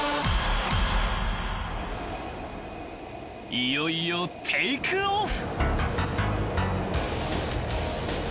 ［いよいよテークオフ］